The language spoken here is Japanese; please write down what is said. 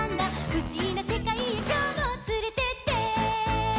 「ふしぎなせかいへきょうもつれてって！」